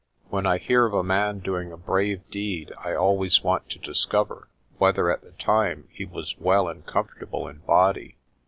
When I hear of a man doing a brave deed I always want to discover whether at the time he was well and comfortable in body.